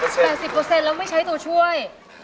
๘๐เปอร์เซ็นต์แล้วไม่ใช่โตช่วย